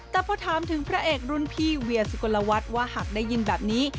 แต่พอถามถึงพระเอกรุ่นพี่เวียสุกลวัฒน์ว่าหากได้ยินแบบนี้